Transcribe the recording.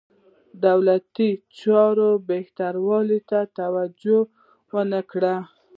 دولتي چارو بهترولو ته توجه ونه کړه.